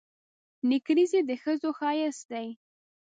نکریزي د ښځو ښایست دي.